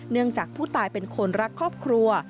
จากผู้ตายเป็นคนรักครอบครัว